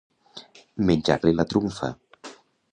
Menjar-li la trumfa.